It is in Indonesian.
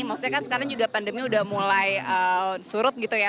maksudnya kan sekarang juga pandemi udah mulai surut gitu ya